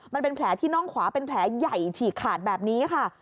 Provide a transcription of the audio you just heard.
มันเป็นแผลที่น่องขวาเป็นแผลใหญ่ฉีกขาดแบบนี้ค่ะ